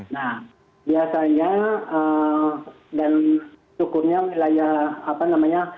nah biasanya dan syukurnya wilayah apa namanya